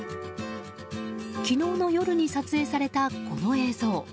昨日の夜に撮影されたこの映像。